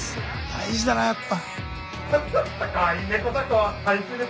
大事だなあやっぱ。